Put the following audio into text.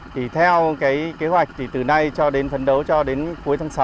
thì theo cái kế hoạch thì từ nay cho đến phấn đấu cho đến cuối tháng sáu